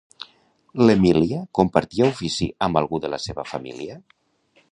L'Emília compartia ofici amb algú de la seva família?